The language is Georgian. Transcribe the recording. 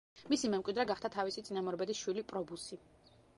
მისი მემკვიდრე გახდა თავისი წინამორბედის შვილი პრობუსი.